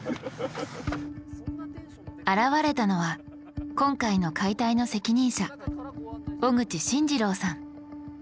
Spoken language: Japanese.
現れたのは今回の解体の責任者小口進二郎さん。